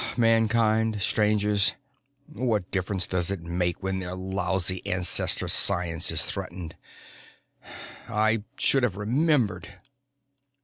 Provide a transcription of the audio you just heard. Mankind, Strangers, what difference does it make when their lousy Ancestor science is threatened? I should have remembered."